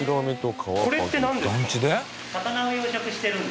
これってなんですか？